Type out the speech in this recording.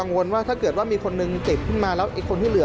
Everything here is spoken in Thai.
มันชิดตอนเรากังวลถ้าเกิดว่ามีคนหนึ่งติดขึ้นมาแล้วคนนี่เหลือ